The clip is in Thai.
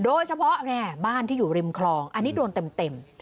โดยเฉพาะบ้านที่อยู่ริมคลองอันนี้โดนเต็ม